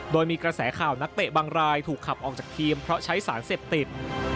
โดยมีกระแสข่าวนักเตะบางรายถูกขับออกจากทีมเพราะใช้สารเสพติด